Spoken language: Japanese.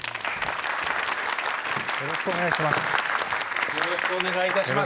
よろしくお願いします。